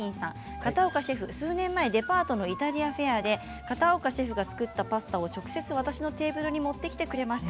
片岡シェフ、数年前デパートのイタリアフェアで片岡シェフが作ったパスタを直接私のテーブルに持ってきてくれました。